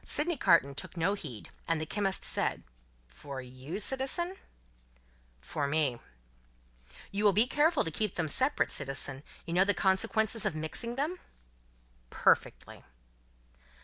hi! hi!" Sydney Carton took no heed, and the chemist said: "For you, citizen?" "For me." "You will be careful to keep them separate, citizen? You know the consequences of mixing them?" "Perfectly."